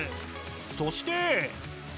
そして！